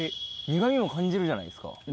苦味も感じるじゃないですか。